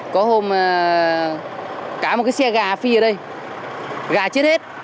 có hôm cả một cái xe gà phi ở đây gà chết hết